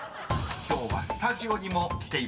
［今日はスタジオにも来ています］